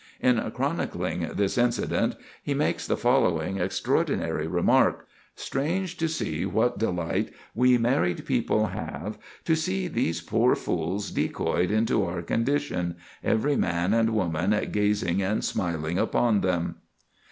In chronicling this incident, he makes the following extraordinary remark: "Strange to see what delight we married people have to see these poor fools decoyed into our condition, every man and woman gazing and smiling upon them."